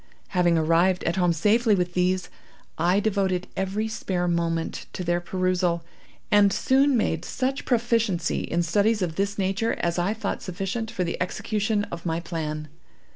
Having arrived at home safely with these, I devoted every spare moment to their perusal, and soon made such proficiency in studies of this nature as I thought sufficient for the execution of my plan.